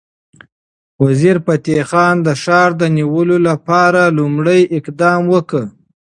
وزیرفتح خان د ښار د نیولو لپاره لومړی اقدام وکړ.